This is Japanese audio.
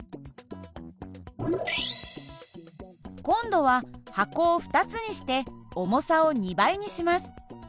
今度は箱を２つにして重さを２倍にします。